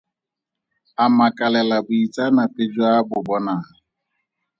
A makalela boitseanape jo a bo bonang.